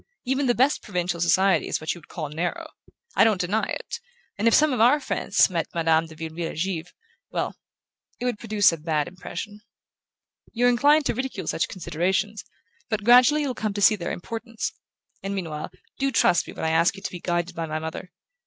Even the best provincial society is what you would call narrow: I don't deny it; and if some of our friends met Madame de Vireville at Givre well, it would produce a bad impression. You're inclined to ridicule such considerations, but gradually you'll come to see their importance; and meanwhile, do trust me when I ask you to be guided by my mother.